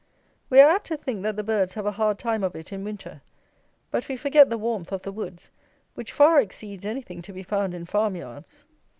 We are apt to think that the birds have a hard time of it in winter. But we forget the warmth of the woods, which far exceeds anything to be found in farm yards.